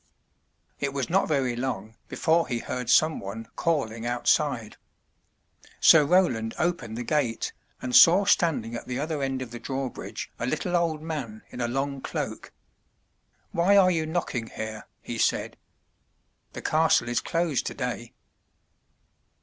It was not very long before he heard some one calling out side. Sir Roland opened the gate, and saw standing at the other end of the drawbridge a little old man in a long cloak. "Why are you knocking here?" he said. "The castle is closed today?"